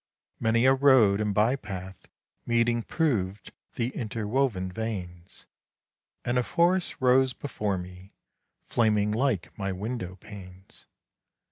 Many a road and by path meeting proved the interwoven veins; And a forest rose before me, flaming like my window panes.